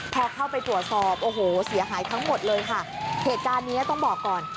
พอเข้าไปตรวจสอบโอ้โหเสียหายทั้งหมดเลยค่ะเหตุการณ์เนี้ยต้องบอกก่อน